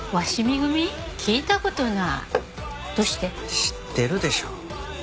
知ってるでしょ。